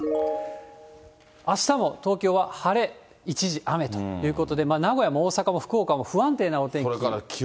あしたも東京は晴れ一時雨ということで、名古屋も大阪も福岡も不安定なお天気。